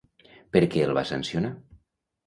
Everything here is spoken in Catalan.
Per què el va sancionar?